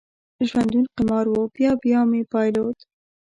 ژوندون قمار و، بیا بیا مې بایلود